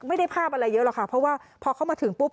ภาพอะไรเยอะหรอกค่ะเพราะว่าพอเข้ามาถึงปุ๊บ